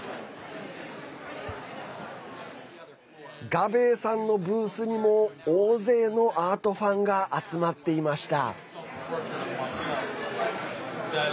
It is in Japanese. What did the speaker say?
ガベイさんのブースにも大勢のアートファンが集まっていました。